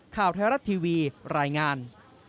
ข่าวไทยรัฐทีวีรายงาน